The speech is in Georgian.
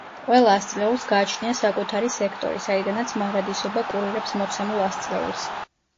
ყველა ასწლეულს გააჩნია საკუთარი სექტორი, საიდანაც მარადისობა კურირებს მოცემულ ასწლეულს.